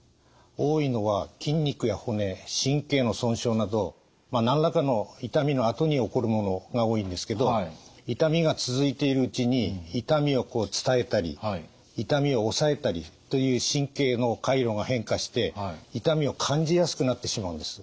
多いのは筋肉や骨神経の損傷など何らかの痛みのあとに起こるものが多いんですけど痛みが続いているうちに痛みを伝えたり痛みを抑えたりという神経の回路が変化して痛みを感じやすくなってしまうんです。